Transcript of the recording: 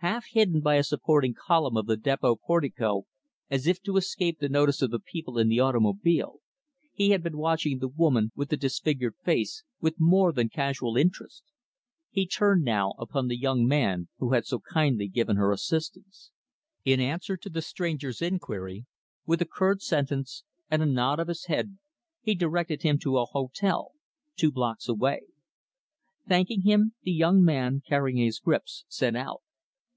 Half hidden by a supporting column of the depot portico as if to escape the notice of the people in the automobile he had been watching the woman with the disfigured face, with more than casual interest. He turned, now, upon the young man who had so kindly given her assistance. In answer to the stranger's inquiry, with a curt sentence and a nod of his head he directed him to a hotel two blocks away. Thanking him, the young man, carrying his grips, set out.